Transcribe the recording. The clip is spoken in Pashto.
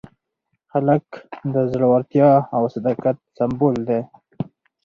هلک د زړورتیا او صداقت سمبول دی.